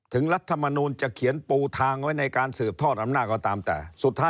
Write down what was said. รัฐมนูลจะเขียนปูทางไว้ในการสืบทอดอำนาจก็ตามแต่สุดท้าย